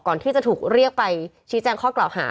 ก่อนที่จะถูกเรียกไปชี้แจ้งข้อกล่าวหา